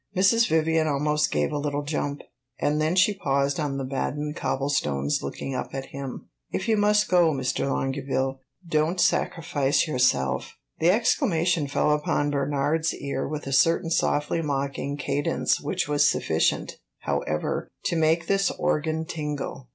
Mrs. Vivian almost gave a little jump, and then she paused on the Baden cobble stones, looking up at him. "If you must go, Mr. Longueville don't sacrifice yourself!" The exclamation fell upon Bernard's ear with a certain softly mocking cadence which was sufficient, however, to make this organ tingle.